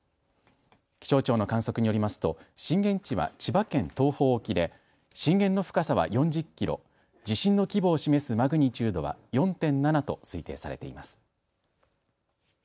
気象庁の観測によりますと震源地は千葉県東方沖で震源の深さは４０キロ地震の規模を示すマグニチュードは４．７と推定されています。